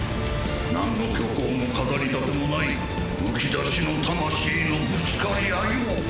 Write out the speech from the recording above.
何の虚構も飾り立てもないむき出しの魂のぶつかり合いを。